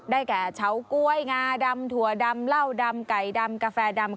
แก่เฉาก๊วยงาดำถั่วดำเหล้าดำไก่ดำกาแฟดำ